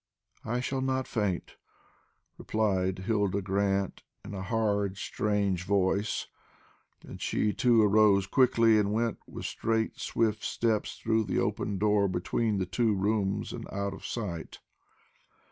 "I shall not faint," replied Hilda Grant, in a hard strange voice, and she, too, arose quickly, and went with straight swift steps through the open door between the two rooms and out of sight.